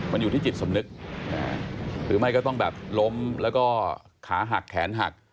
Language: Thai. มันอยู่ที่จิตสำนึกหรือไม่ก็ต้องแบบล้มแล้วก็ขาหักแขนหัก